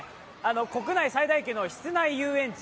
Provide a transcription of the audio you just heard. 国内最大級の室内遊園地